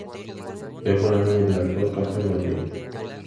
Es buen amigo del actor Casper Van Dien.